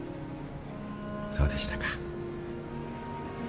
そうでしたか。